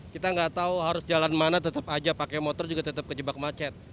kita nggak tahu harus jalan mana tetap aja pakai motor juga tetap kejebak macet